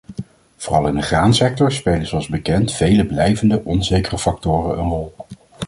Vooral in de graansector spelen zoals bekend vele blijvend onzekere factoren een rol.